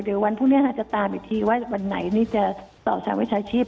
เดี๋ยวพรุ่งนี้จะตามอิสถีวันไหนสอบศาสตร์วิชาชีพ